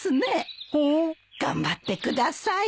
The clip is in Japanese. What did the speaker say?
はあ？頑張ってください。